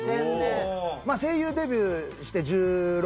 まあ声優デビューして１６年で。